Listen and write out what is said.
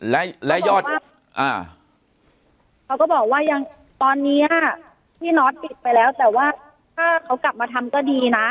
และยอดเขาก็บอกว่ายังตอนนี้ค่ะพี่น็อตปิดไปแล้วแต่ว่าถ้าเขากลับมาทำก็ดีนะ